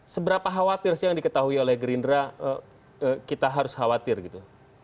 seberapa khawatir sih yang diketahui oleh gerindra kita harus khawatir gitu